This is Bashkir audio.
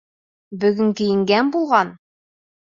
Бөгөн кейенгән булған!